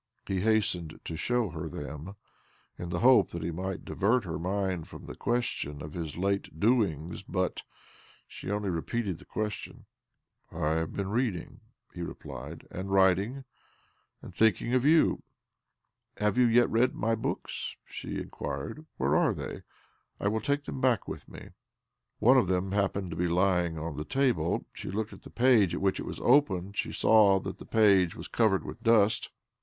" He hastened to show her them, in the hope that he might divert her mind from the question of his late doings ; but she одіу repeated the question. 222 OBLOMOV ' 1 have been reading," hie replied, " and writing, and thinking! of .you." '" Have you yet read my books ?" ,she inquired. ' Where are they? I will take them back with mfe." One of them happened to be lying on thfe table. She looked at the page at which it was open, and saw that the page was covered with dust.